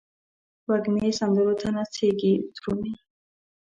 وږمې سندرو ته نڅیږې درومې